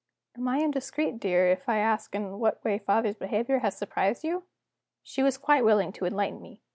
"Am I indiscreet, dear, if I ask in what way father's behavior has surprised you?" She was quite willing to enlighten me.